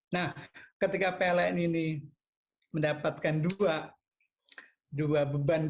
nah ketika pln ini mendapatkan dua beban